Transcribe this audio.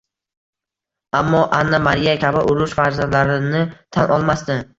Ammo Anna-Mariya kabi urush farzandlarini tan olmasdi